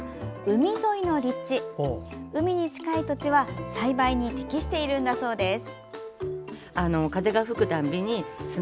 海に近い土地は栽培に適しているんだそうです。